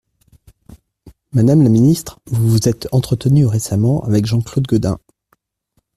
Madame la ministre, vous vous êtes entretenue récemment avec Jean-Claude Gaudin.